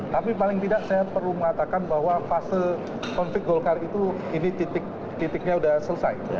tapi paling tidak saya perlu mengatakan bahwa fase konflik golkar itu ini titiknya sudah selesai